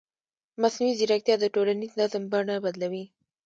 مصنوعي ځیرکتیا د ټولنیز نظم بڼه بدلوي.